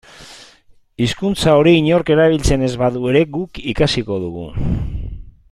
Hizkuntza hori inork erabiltzen ez badu ere guk ikasiko dugu.